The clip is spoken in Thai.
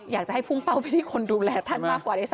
อยากจะให้ภูมิเป้าไปที่คนดูแลท่านมากกว่า